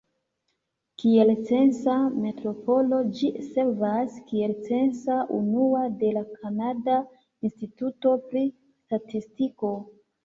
Kiel censa metropolo, ĝi servas kiel censa unuo de la Kanada Instituto pri Statistiko.